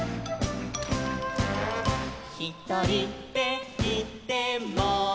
「ひとりでいても」